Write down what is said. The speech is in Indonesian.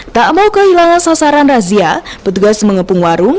tak mau kehilangan sasaran razia petugas mengepung warung